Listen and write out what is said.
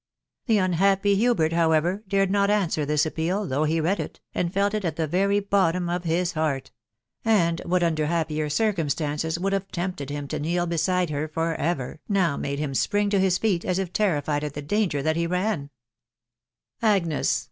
The unhappy Hubert, however, dared not answer Ah appeal, though he read it, and felt it at the very bottom of his heart; and what under happier circumstances' would June tempted him to kneel beside her for ever, now made hfas spring to his feet as if terrified at the danger that he ran*. >" Agnes